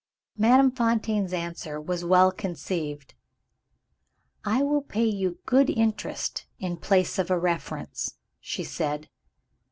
Madame Fontaine's answer was well conceived. "I will pay you good interest, in place of a reference," she said.